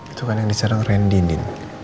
itu kan yang disarang randy din